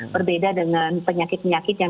berbeda dengan penyakit penyakit yang